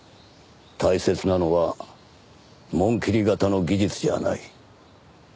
大切なのは紋切り型の技術じゃない。